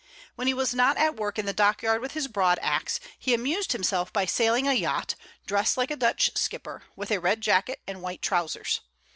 When he was not at work in the dock yard with his broad axe, he amused himself by sailing a yacht, dressed like a Dutch skipper, with a red jacket and white trousers.